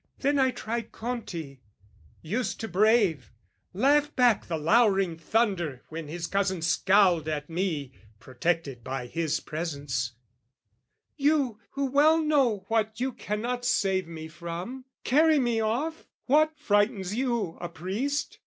Then I tried Conti, used to brave laugh back The louring thunder when his cousin scowled At me protected by his presence: "You "Who well know what you cannot save me from, "Carry me off! What frightens you, a priest?"